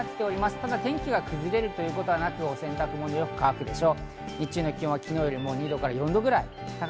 ただ天気が崩れることはなく、お洗濯ものはよく乾くでしょう。